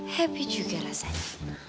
happy juga rasanya